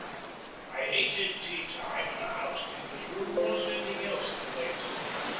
IV I hated teatime in the housekeeper's room more than anything else at Bladesover.